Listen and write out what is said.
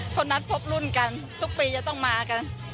เขานัดพบรุ่นกันทุกปีจะต้องมากัน